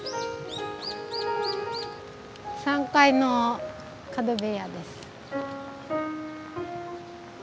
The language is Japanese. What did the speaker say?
３階の角部屋です。